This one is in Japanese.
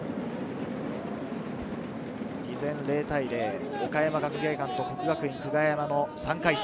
依然０対０、岡山学芸館と國學院久我山の３回戦。